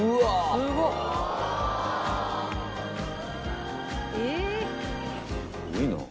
すごいな。